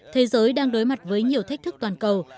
thế giới đang đối mặt với nhiều thách thức toàn cầu